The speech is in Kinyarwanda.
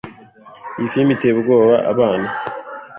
Iyi firime iteye ubwoba abana.